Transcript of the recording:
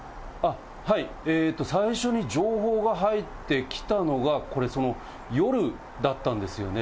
最初に情報が入ってきたのが、これ、夜だったんですよね。